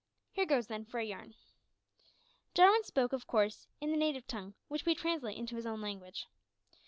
Here goes, then, for a yarn." Jarwin spoke, of course, in the native tongue, which we translate into his own language.